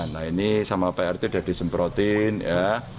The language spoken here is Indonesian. nah ini sama prt sudah disemprotin ya